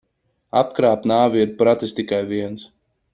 Apkrāpt nāvi ir pratis tikai viens.